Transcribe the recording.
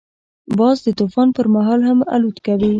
باز د طوفان پر مهال هم الوت کوي